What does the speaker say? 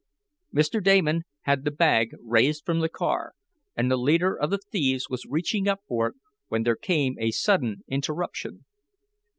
Mr. Damon had the bag raised from the car, and the leader of the thieves was reaching up for it, when there came a sudden interruption.